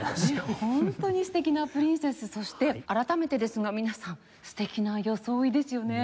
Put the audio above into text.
ホントに素敵なプリンセスそして改めてですが皆さん素敵な装いですよね。